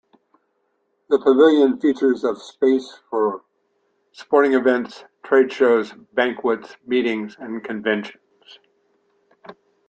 The pavilion features of space for sporting events, trade shows, banquets, meetings, and conventions.